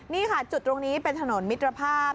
นี่ค่ะจุดตรงนี้เป็นถนนมิตรภาพ